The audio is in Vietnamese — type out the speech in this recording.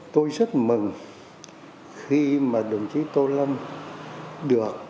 tôi rất mừng khi mà đồng chí tô lâm được